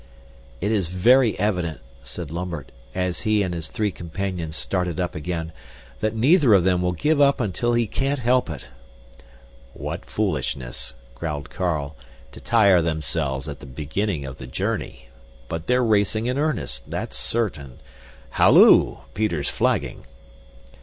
"It is very evident," said Lambert at he and his three companions started up again, "that neither of them will give up until he can't help it." "What foolishness," growled Carl, "to tire themselves at the beginning of the journey! But they're racing in earnest that's certain. Halloo! Peter's flagging!"